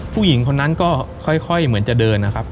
ผู้หญิงคนนั้นก็ค่อยเหมือนจะเดินนะครับ